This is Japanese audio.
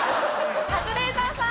カズレーザーさん。